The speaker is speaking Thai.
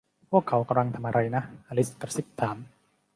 พวกเขากำลังทำอะไรนะ อลิซกระซิบถาม